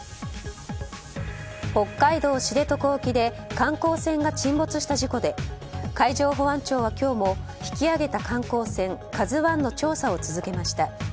北海道知床沖で観光船が沈没した事故で海上保安庁は今日も引き揚げた観光船「ＫＡＺＵ１」の調査を続けました。